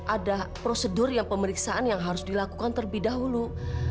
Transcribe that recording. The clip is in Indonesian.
ada prosedur yang pemeriksaan yang harus dilakukan terlebih dahulu